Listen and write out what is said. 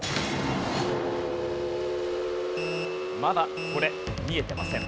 まだこれ見えてません。